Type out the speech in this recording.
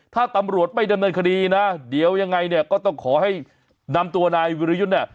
ถ้าตำรวจไม่ดำเนินคดีนะเดี๋ยวยังไงเนี่ยก็ต้องขอให้นำตัวนายวิรยุทธ์เนี่ย